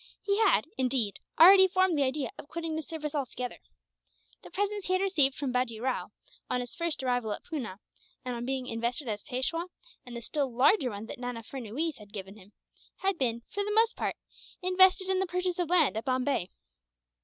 He had, indeed, already formed the idea of quitting the service altogether. The presents he had received from Bajee Rao, on his first arrival at Poona, and on being invested as Peishwa; and the still larger one that Nana Furnuwees had given him; had been, for the most part, invested in the purchase of land at Bombay.